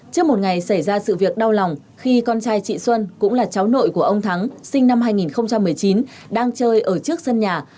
trước một ngày xảy ra sự việc đau lòng khi con trai chị xuân cũng là cháu nội của ông thắng sinh năm hai nghìn một mươi chín đang chơi ở trước sân nhà